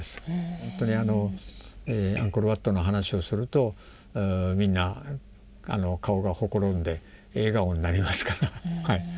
ほんとにあのアンコール・ワットの話をするとみんな顔がほころんで笑顔になりますから。